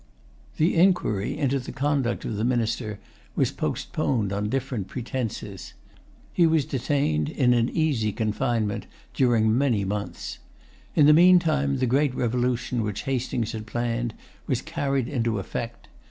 The inquiry into the conduct of the minister was postponed on different pretences. He was detained in an easy confinement during many months. In the meantime, the great revolution which Hastings had planned was carried into effect.